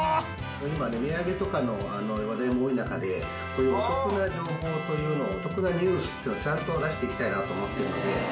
今ね値上げとかの話題も多い中でこういうお得な情報というのをお得なニュースっていうのをちゃんと出していきたいなと思ってるので。